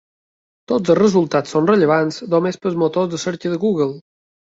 Tots els resultats són rellevant només per als motors de cerca de Google.